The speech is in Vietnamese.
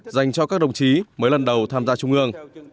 dành cho các đồng chí mới lần đầu tham gia trung ương